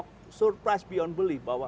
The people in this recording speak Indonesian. kekejutan lebih dari percaya